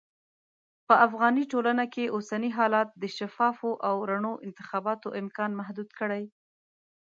په افغاني ټولنه کې اوسني حالات د شفافو او رڼو انتخاباتو امکان محدود کړی.